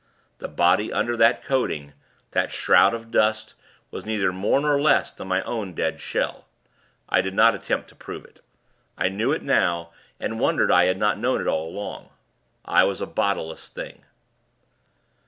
The body under that coating, that shroud of dust, was neither more nor less than my own dead shell. I did not attempt to prove it. I knew it now, and wondered I had not known it all along. I was a bodiless thing.